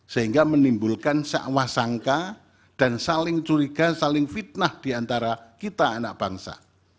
sehingga menimbulkan sakwah sangka dan saling curiga saling fitnah diantara kita anak bangsa